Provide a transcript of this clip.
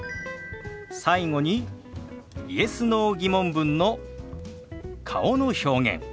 最後にＹｅｓ／Ｎｏ−疑問文の顔の表現。